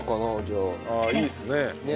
ああいいですね。